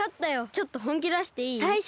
ちょっとほんきだしていい？